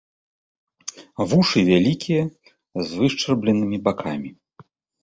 Вушы вялікія, з вышчарбленымі бакамі.